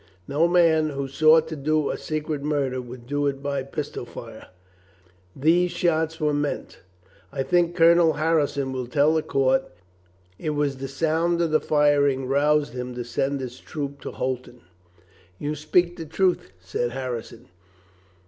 No man who sought to do a secret mur der would do it by pistol fire. These shots were meant. I think Colonel Harrison will tell the court it was the sound of the firing roused him to send his troop to Holton." 426 COLONEL GREATHEART "You speak the truth," said Harrison.